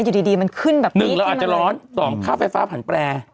อยู่ดีดีมันขึ้นแบบหนึ่งเราอาจจะร้อนสองค่าไฟฟ้าผันแปร